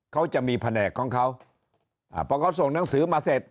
เขาจะมีแผนกของเขาอ่าพอเขาส่งหนังสือมาเสร็จ